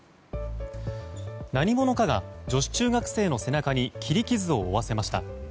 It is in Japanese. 何者かが女子中学生の背中に切り傷を負わせました。